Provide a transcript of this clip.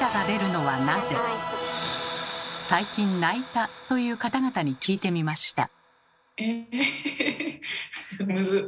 最近泣いたという方々に聞いてみました。